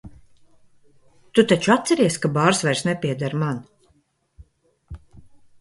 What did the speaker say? Tu taču atceries, ka bārs vairs nepieder man?